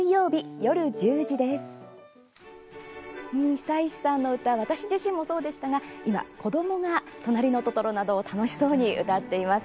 久石さんの歌私自身もそうでしたけれども子どもも今「となりのトトロ」など楽しそうに歌っています。